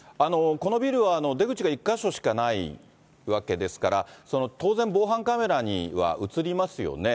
このビルは出口が１か所しかないわけですから、当然防犯カメラには写りますよね。